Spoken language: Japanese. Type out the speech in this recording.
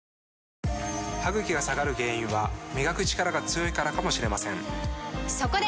歯ぐきが下がる原因は磨くチカラが強いからかもしれませんそこで！